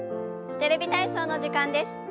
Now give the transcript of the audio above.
「テレビ体操」の時間です。